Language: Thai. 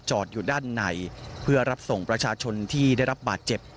อยู่ด้านในเพื่อรับส่งประชาชนที่ได้รับบาดเจ็บ